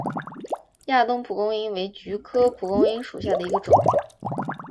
亚东蒲公英为菊科蒲公英属下的一个种。